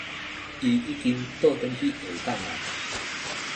伊已經倒轉去下港矣